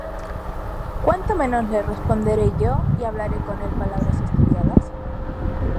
¿Cuánto menos le responderé yo, Y hablaré con él palabras estudiadas?